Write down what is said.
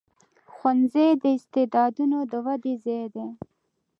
ښوونځی د استعدادونو د ودې ځای دی.